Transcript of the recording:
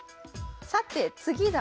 さて次だ。